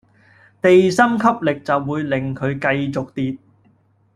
地心吸力就會令佢繼續跌